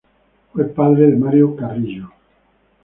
Fue padre de Mario Carrillo.